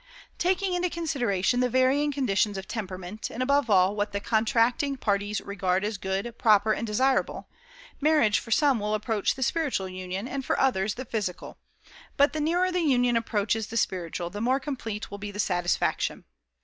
Taking into consideration the varying conditions of temperament, and above all what the contracting parties regard as good, proper, and desirable, marriage for some will approach the spiritual union, and for others the physical; but the nearer the union approaches the spiritual the more complete will be the satisfaction.